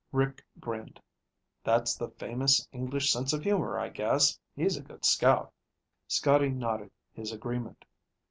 Rick grinned. "That's the famous English sense of humor, I guess. He's a good scout." Scotty nodded his agreement.